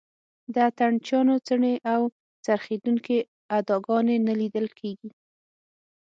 د اتڼ چیانو څڼې او څرخېدونکې اداګانې نه لیدل کېږي.